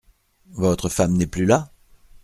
Votre femme n’est plus là ?